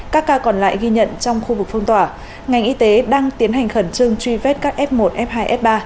các ca còn lại ghi nhận trong khu vực phong tỏa ngành y tế đang tiến hành khẩn trương truy vết các f một f hai f ba